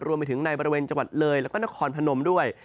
รวมไปถึงในบริเวณจังหวัดเลยแล้วก็นครพนมด้วย